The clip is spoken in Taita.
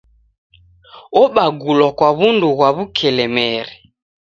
Obagulwa kwa w'undu ghwa w'ukelemeri.